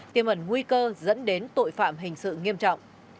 tiêm ẩn nguy cơ dẫn đến tội phạm hình sự nghiêm trọng